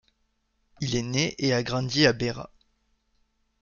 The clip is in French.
Il est né et a grandi à Beira.